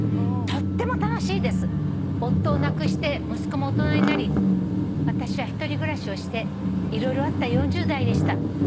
「とっても楽しいです」「夫を亡くして息子も大人になり私は１人暮らしをして色々あった４０代でした」